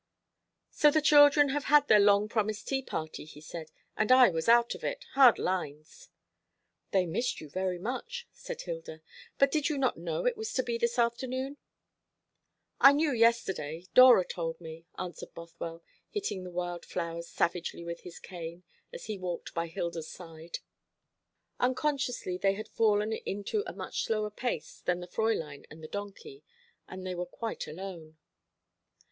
"So the children have had their long promised tea party," he said, "and I was out of it. Hard lines." "They missed you very much," said Hilda. "But did not you know it was to be this afternoon?" "I knew yesterday Dora told me," answered Bothwell, hitting the wild flowers savagely with his cane, as he walked by Hilda's side. Unconsciously they had fallen into a much slower pace than the Fräulein and the donkey, and they were quite alone.